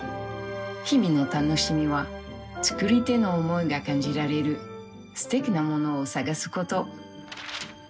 日々の楽しみは作り手の思いが感じられるすてきなものを探すこと。